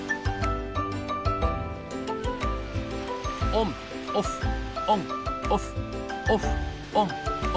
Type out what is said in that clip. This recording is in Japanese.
オンオフオンオフオフオンオン。